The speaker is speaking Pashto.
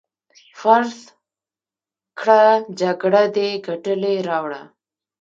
فرض کړه جګړه دې ګټلې راوړه.